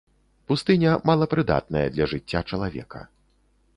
Пустыня, малапрыдатная для жыцця чалавека.